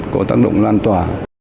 có tác động lan tỏa